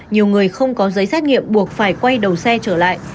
nhiều người không có giấy xét nghiệm buộc phải quay đầu xe trở lại